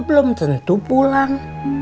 belum tentu pulang